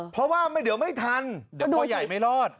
เพราะว่าเดี๋ยวไม่ทันเดี๋ยวพ่อใหญ่ไม่รอด